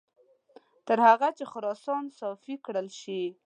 تر هغه چې خراسان صافي کړل شي.